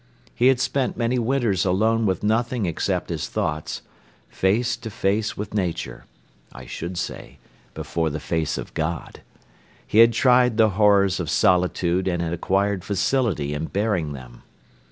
He had spent many winters alone with nothing except his thoughts, face to face with nature I should say, before the face of God. He had tried the horrors of solitude and had acquired facility in bearing them.